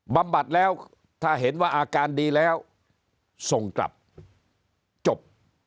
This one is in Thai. บำบัดแล้วถ้าเห็นว่าอาการดีแล้วส่งกลับจบ